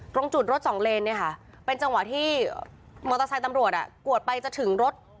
ตรงจุดรถสองเลนเนี่ยค่ะเป็นจังหวะที่มอเตอร์ไซค์ตำรวจกวดไปจะถึงรถ